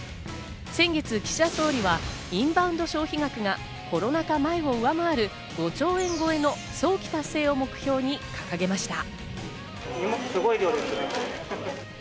先月、岸田総理はインバウンド消費額がコロナ禍前を上回る５兆円超えの早期達成を目標に掲げました。